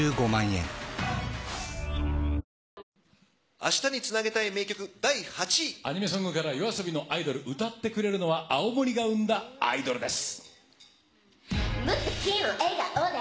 明日につなげたい名曲、アニメソングからＹＯＡＳＯＢＩのアイドル、歌ってくれるのは、青森が生んだアイドルです。